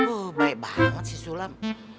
oh baik banget sih sulam